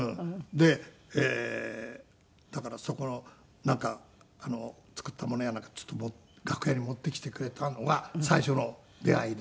でだからそこのなんか作ったものやなんか楽屋に持ってきてくれたのが最初の出会いで。